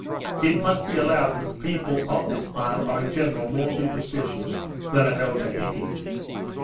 It must be allowed that the people of this isle are in general more superstitious than at Otaheite.